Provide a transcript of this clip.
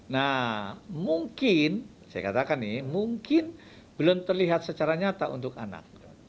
nah mungkin saya katakan nih mungkin belum terlihat secara nyata untuk anak